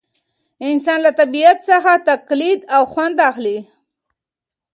انسان له طبیعت څخه تقلید او خوند اخلي.